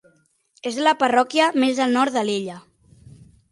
És la parròquia més al nord de l'illa.